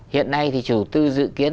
hiện nay thì chủ tư dự kiến